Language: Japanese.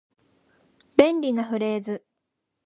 便利なフレーズ